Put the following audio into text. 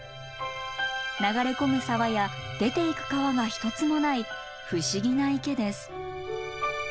流れ込む沢や出ていく川が一つもない不思議な池です。